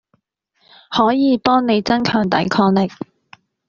可以幫你增強抵抗力